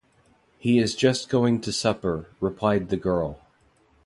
‘He is just going to supper,’ replied the girl.